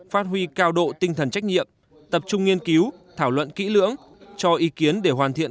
phát huy cao độ tinh thần trách nhiệm tập trung nghiên cứu thảo luận kỹ lưỡng cho ý kiến để hoàn thiện